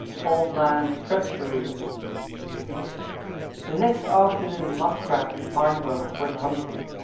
OLD MAN'S TREACHERY THE next afternoon Muskrat and Fine Bow went hunting.